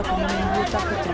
pemenggul tak kecamatan